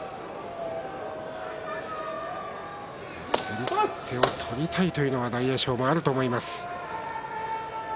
先手を取りたいというのは大栄翔もあると思います。